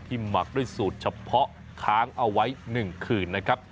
หมักด้วยสูตรเฉพาะค้างเอาไว้๑คืนนะครับ